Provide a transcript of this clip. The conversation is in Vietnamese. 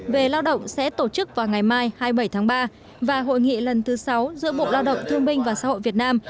về lao động sẽ tổ chức vào ngày mai hai mươi bảy tháng ba và hội nghị lần thứ sáu giữa bộ lao động thương binh và xã hội việt nam